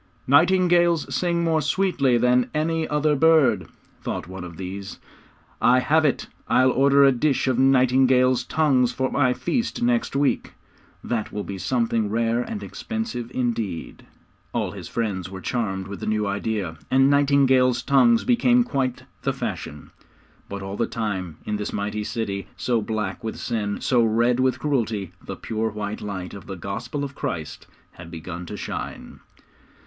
'Nightingales sing more sweetly than any other bird,' thought one of these. 'I have it. I'll order a dish of nightingales' tongues for my feast next week; that will be something rare and expensive indeed!' All his friends were charmed with the new idea, and nightingales' tongues became quite the fashion. But all the time, in this mighty city, so black with sin, so red with cruelty, the pure white light of the Gospel of Christ had begun to shine.